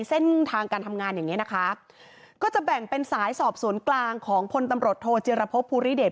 เส้นทางการทำงานอย่างเงี้นะคะก็จะแบ่งเป็นสายสอบสวนกลางของพลตำรวจโทจิรพบภูริเดช